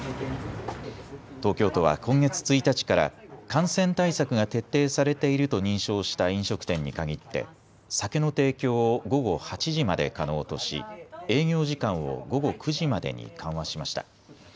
東京都は今月１日から感染対策が徹底されていると認証した飲食店に限って酒の提供を午後８時まで可能とし営業時間を午後９時までに緩和しました。